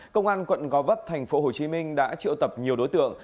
công an quận go vấp thành phố hồ chí minh đã triệu tập nhiều đối tượng